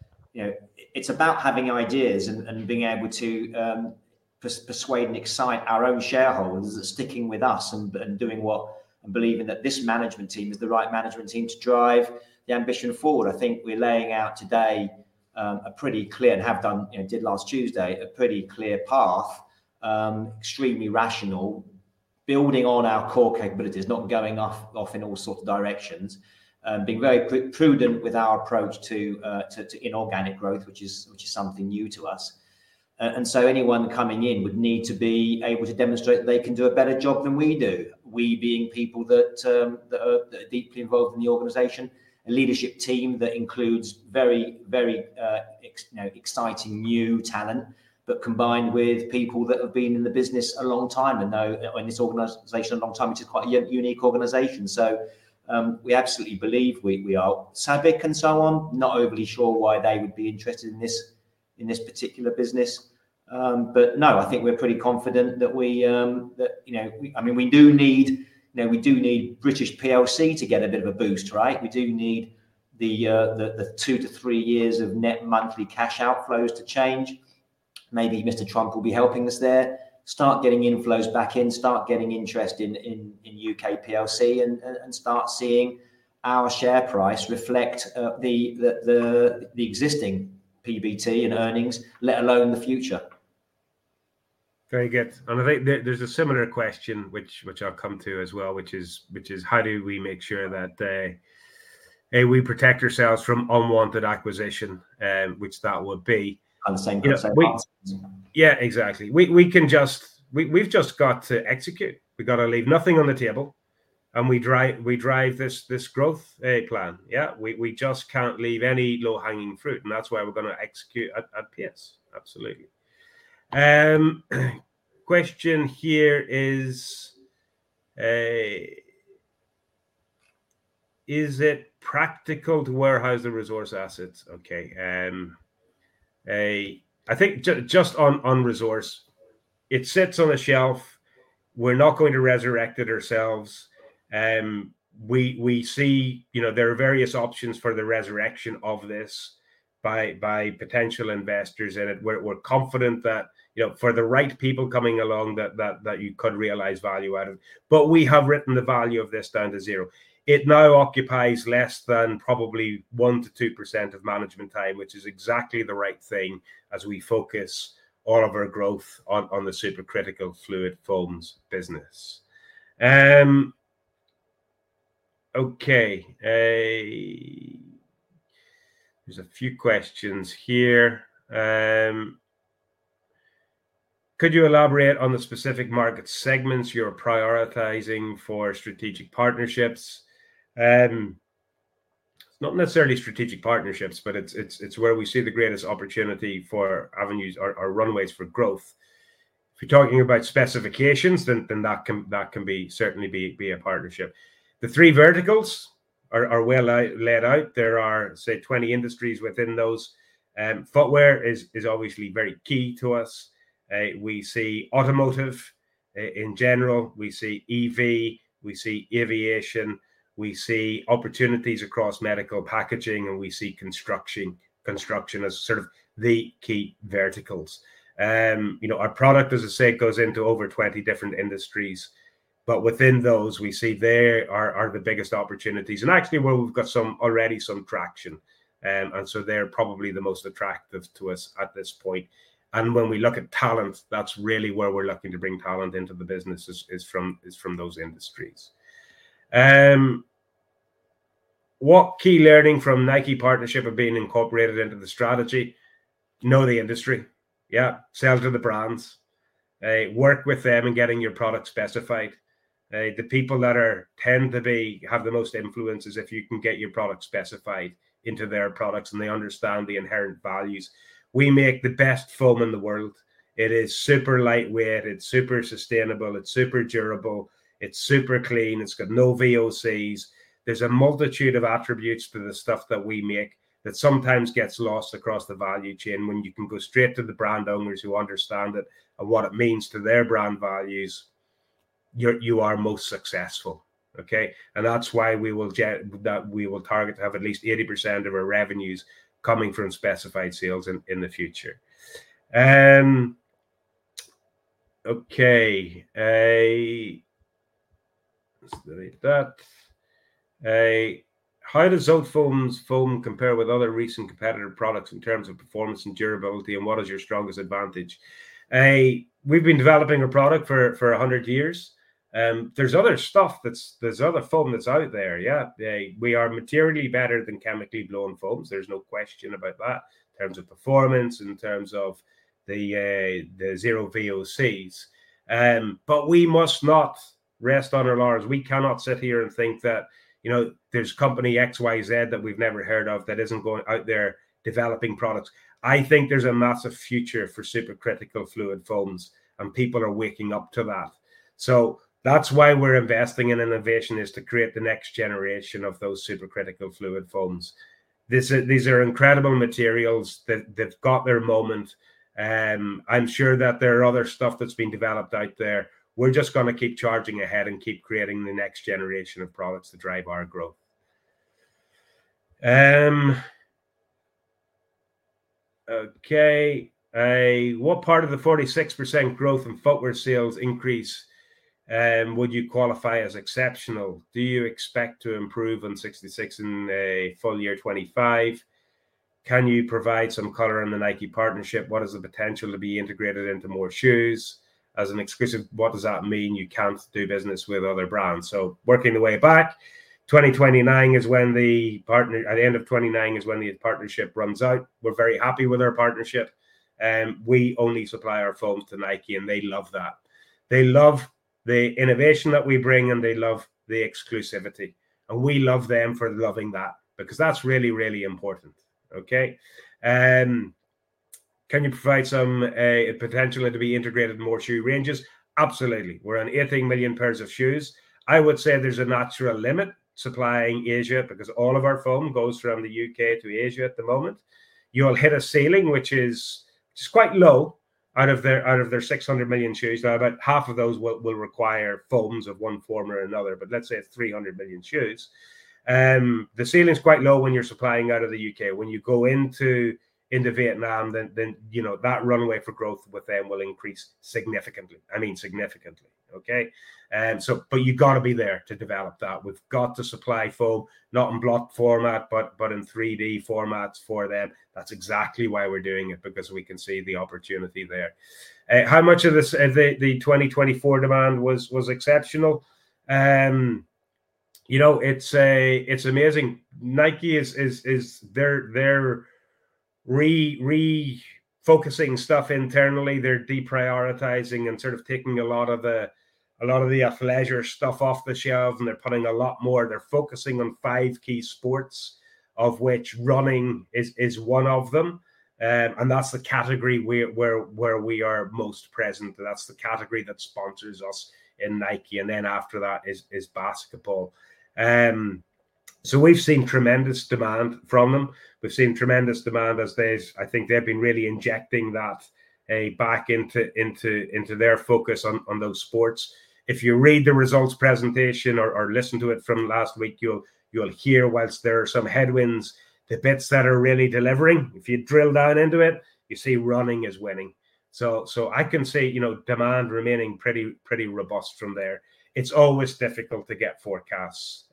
it's about having ideas and being able to persuade and excite our own shareholders that are sticking with us and doing what and believing that this management team is the right management team to drive the ambition forward. I think we're laying out today a pretty clear and have done did last Tuesday a pretty clear path, extremely rational, building on our core capabilities, not going off in all sorts of directions, being very prudent with our approach to inorganic growth, which is something new to us. Anyone coming in would need to be able to demonstrate that they can do a better job than we do. We, being people that are deeply involved in the organization, a leadership team that includes very, very exciting new talent, but combined with people that have been in the business a long time and know in this organization a long time, which is quite a unique organization. We absolutely believe we are SABIC and so on. Not overly sure why they would be interested in this particular business. I think we're pretty confident that we, I mean, we do need, we do need British PLC to get a bit of a boost, right? We do need the two to three years of net monthly cash outflows to change. Maybe Mr. Trump will be helping us there. Start getting inflows back in, start getting interest in UK PLC, and start seeing our share price reflect the existing PBT and earnings, let alone the future. Very good. I think there's a similar question, which I'll come to as well, which is, how do we make sure that we protect ourselves from unwanted acquisition, which that would be? The same goes for our customers. Yeah, exactly. We've just got to execute. We've got to leave nothing on the table. We drive this growth plan. Yeah, we just can't leave any low-hanging fruit. That's why we're going to execute at pace. Absolutely. Question here is, is it practical to warehouse the resource assets? Okay. I think just on resource, it sits on a shelf. We're not going to resurrect it ourselves. We see there are various options for the resurrection of this by potential investors in it. We're confident that for the right people coming along, that you could realize value out of it. We have written the value of this down to zero. It now occupies less than probably 1%-2% of management time, which is exactly the right thing as we focus all of our growth on the supercritical fluid foams business. Okay. There's a few questions here. Could you elaborate on the specific market segments you're prioritizing for strategic partnerships? It's not necessarily strategic partnerships, but it's where we see the greatest opportunity for avenues or runways for growth. If you're talking about specifications, then that can certainly be a partnership. The three verticals are well laid out. There are, say, 20 industries within those. Footwear is obviously very key to us. We see automotive in general. We see EV. We see aviation. We see opportunities across medical packaging, and we see construction as sort of the key verticals. Our product, as I said, goes into over 20 different industries. Within those, we see there are the biggest opportunities. Actually, we've got already some traction. They're probably the most attractive to us at this point. When we look at talent, that's really where we're looking to bring talent into the business is from those industries. What key learning from Nike partnership have been incorporated into the strategy? Know the industry. Yeah, sell to the brands. Work with them in getting your product specified. The people that tend to have the most influence is if you can get your product specified into their products and they understand the inherent values. We make the best foam in the world. It is super lightweight. It's super sustainable. It's super durable. It's super clean. It's got no VOCs. There's a multitude of attributes to the stuff that we make that sometimes gets lost across the value chain. When you can go straight to the brand owners who understand it and what it means to their brand values, you are most successful. Okay? That is why we will target to have at least 80% of our revenues coming from specified sales in the future. Okay. Let's delete that. How does Zotefoams foam compare with other recent competitor products in terms of performance and durability, and what is your strongest advantage? We have been developing a product for 100 years. There is other stuff. There is other foam that is out there. Yeah. We are materially better than chemically blown foams. There is no question about that in terms of performance, in terms of the zero VOCs. We must not rest on our laurels. We cannot sit here and think that there is company XYZ that we have never heard of that is not going out there developing products. I think there's a massive future for supercritical fluid foams, and people are waking up to that. That is why we're investing in innovation, is to create the next generation of those supercritical fluid foams. These are incredible materials. They've got their moment. I'm sure that there are other stuff that's been developed out there. We're just going to keep charging ahead and keep creating the next generation of products to drive our growth. Okay. What part of the 46% growth in footwear sales increase would you qualify as exceptional? Do you expect to improve on 66 in full year 2025? Can you provide some color on the Nike partnership? What is the potential to be integrated into more shoes? What does that mean? You can't do business with other brands. Working the way back, 2029 is when the partner, at the end of 2029, is when the partnership runs out. We're very happy with our partnership. We only supply our foams to Nike, and they love that. They love the innovation that we bring, and they love the exclusivity. We love them for loving that because that's really, really important. Okay. Can you provide some potential to be integrated in more shoe ranges? Absolutely. We're on 18 million pairs of shoes. I would say there's a natural limit supplying Asia because all of our foam goes from the U.K. to Asia at the moment. You'll hit a ceiling, which is quite low out of their 600 million shoes. Now, about half of those will require foams of one form or another, but let's say it's 300 million shoes. The ceiling is quite low when you're supplying out of the U.K. When you go into Vietnam, then that runway for growth with them will increase significantly. I mean, significantly. Okay? But you've got to be there to develop that. We've got to supply foam, not in block format, but in 3D formats for them. That's exactly why we're doing it because we can see the opportunity there. How much of the 2024 demand was exceptional? It's amazing. Nike is refocusing stuff internally. They're deprioritizing and sort of taking a lot of the athleisure stuff off the shelves, and they're putting a lot more. They're focusing on five key sports, of which running is one of them. That's the category where we are most present. That's the category that sponsors us in Nike. After that is basketball. We've seen tremendous demand from them. We've seen tremendous demand as they've, I think they've been really injecting that back into their focus on those sports. If you read the results presentation or listen to it from last week, you'll hear whilst there are some headwinds, the bids that are really delivering. If you drill down into it, you see running is winning. I can see demand remaining pretty robust from there. It's always difficult to get forecasts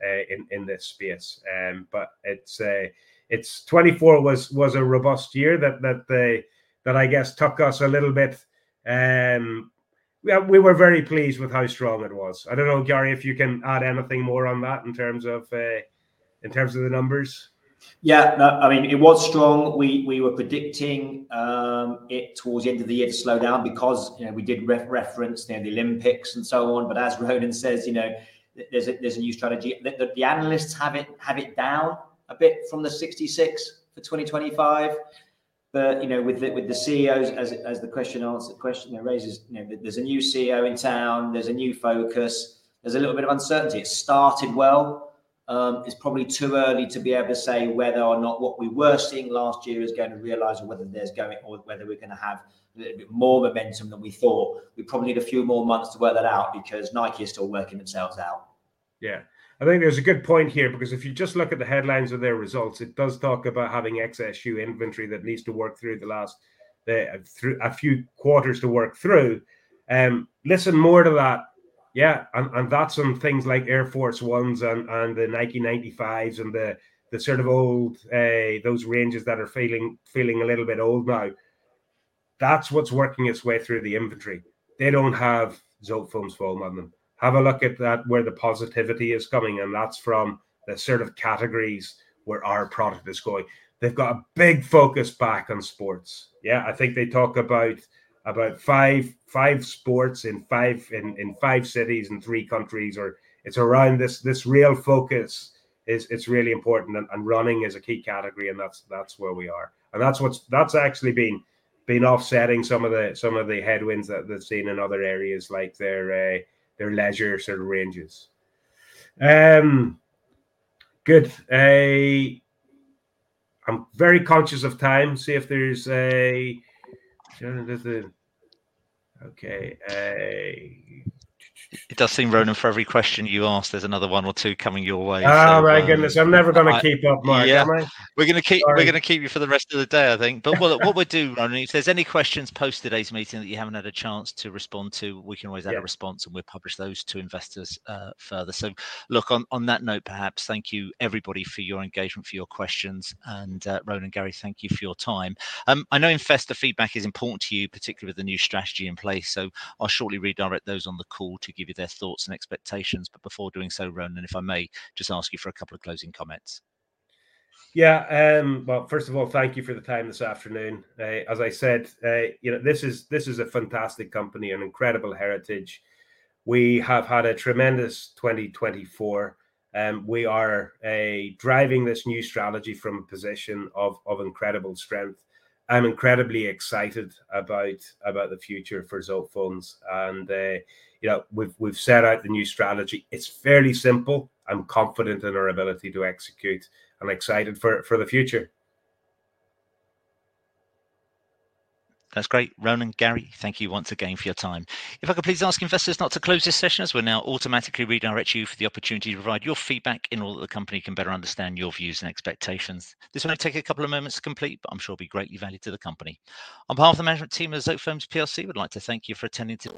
in this space. 2024 was a robust year that, I guess, took us a little bit. We were very pleased with how strong it was. I don't know, Gary, if you can add anything more on that in terms of the numbers. Yeah. I mean, it was strong. We were predicting it towards the end of the year to slow down because we did reference the Olympics and so on. As Ronan says, there's a new strategy. The analysts have it down a bit from the 66 for 2025. With the CEOs, as the question raises, there's a new CEO in town. There's a new focus. There's a little bit of uncertainty. It started well. It's probably too early to be able to say whether or not what we were seeing last year is going to realize, whether there's going or whether we're going to have a little bit more momentum than we thought. We probably need a few more months to work that out because Nike is still working themselves out. I think there's a good point here because if you just look at the headlines of their results, it does talk about having excess shoe inventory that needs to work through the last few quarters to work through. Listen more to that. That's on things like Air Force Ones and the Nike 95s and the sort of old those ranges that are feeling a little bit old now. That's what's working its way through the inventory. They don't have Zotefoams foam on them. Have a look at where the positivity is coming, and that's from the sort of categories where our product is going. They've got a big focus back on sports. Yeah. I think they talk about five sports in five cities in three countries. It's around this real focus. It's really important. Running is a key category, and that's where we are. That's actually been offsetting some of the headwinds that they've seen in other areas like their leisure sort of ranges. Good. I'm very conscious of time. See if there's a okay. It does seem, Ronan, for every question you ask, there's another one or two coming your way. Oh, my goodness. I'm never going to keep up, Mike. We're going to keep you for the rest of the day, I think. If there's any questions post today's meeting that you haven't had a chance to respond to, we can always add a response, and we'll publish those to investors further. On that note, perhaps, thank you, everybody, for your engagement, for your questions. Ronan and Gary, thank you for your time. I know investor feedback is important to you, particularly with the new strategy in place. I'll shortly redirect those on the call to give you their thoughts and expectations. Before doing so, Ronan, if I may, just ask you for a couple of closing comments. Yeah. First of all, thank you for the time this afternoon. As I said, this is a fantastic company, an incredible heritage. We have had a tremendous 2024. We are driving this new strategy from a position of incredible strength. I'm incredibly excited about the future for Zotefoams. We have set out the new strategy. It's fairly simple. I'm confident in our ability to execute and excited for the future. That's great. Ronan, Gary, thank you once again for your time. If I could please ask investors not to close this session as we'll now automatically redirect you for the opportunity to provide your feedback in order that the company can better understand your views and expectations. This will only take a couple of moments to complete, but I'm sure it'll be greatly valued to the company. On behalf of the management team at Zotefoams, we'd like to thank you for attending today.